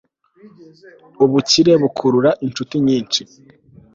ubukire bukurura incuti nyinshi